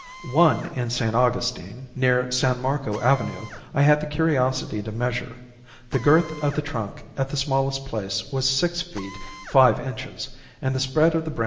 One, in St. Augustine, near San Marco Avenue, I had the curiosity to measure. The girth of the trunk at the smallest place was six feet five inches, and the spread of the branches was not less than fifty feet.